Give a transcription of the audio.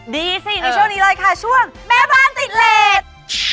ดีสิในช่วงนี้เลยค่ะช่วงแม่บ้านติดเลส